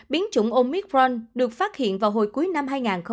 biến chủng omicron được phát hiện vào hồi cuối năm hai nghìn hai mươi một